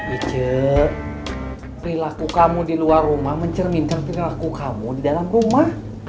ice perilaku kamu di luar rumah mencerminkan perilaku kamu di dalam rumah